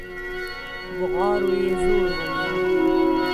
بغارو يې زور ونيو.